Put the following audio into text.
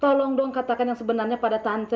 tolong dong katakan yang sebenarnya pada tanca